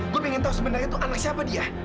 gue pengen tahu sebenarnya itu aneh siapa dia